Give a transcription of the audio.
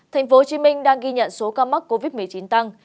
thành phố hồ chí minh đang ghi nhận số ca mắc covid một mươi chín tăng